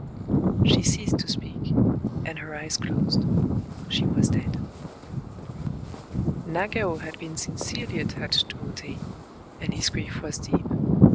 She ceased to speak; and her eyes closed. She was dead. Nagao had been sincerely attached to O Tei; and his grief was deep.